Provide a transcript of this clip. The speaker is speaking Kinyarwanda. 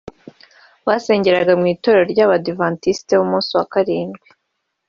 basengeraga mu itorero ry’Abadivantisiti b’umunsi wa karindwi